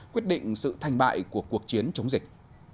quyết định sự thành bại của cuộc chiến chống dịch